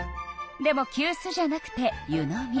でもきゅうすじゃなくて湯飲み。